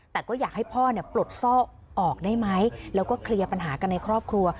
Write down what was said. แต่ก็อยากให้พ่อเนี่ยปลดซอกออกได้ไหมแล้วก็เคลียร์ปัญหากันในครอบครัว